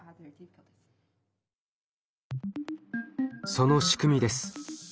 その仕組みです。